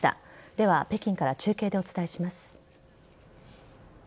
では北京から中継でお伝えします。